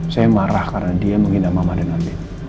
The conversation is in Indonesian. saya marah karena dia menghina mama dengan dia